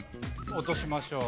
落としましょう。